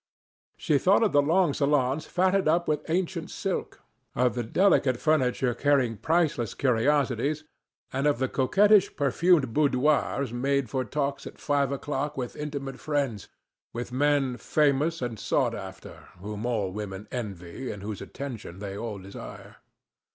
She thought of the long salons fatted up with ancient silk, of the delicate furniture carrying priceless curiosities, and of the coquettish perfumed boudoirs made for talks at five o'clock with intimate friends, with men famous and sought after, whom all women envy and whose attention they all desire.